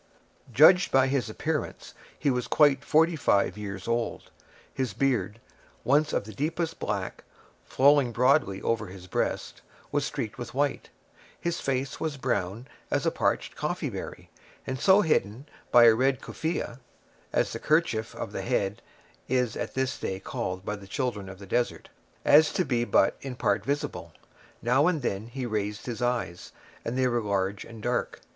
Judged by his appearance, he was quite forty five years old. His beard, once of the deepest black, flowing broadly over his breast, was streaked with white. His face was brown as a parched coffee berry, and so hidden by a red kufiyeh (as the kerchief of the head is at this day called by the children of the desert) as to be but in part visible. Now and then he raised his eyes, and they were large and dark.